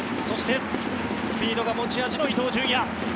そしてスピードが持ち味の伊東純也。